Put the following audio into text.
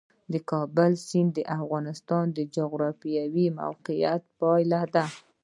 د کابل سیند د افغانستان د جغرافیایي موقیعت پایله ده.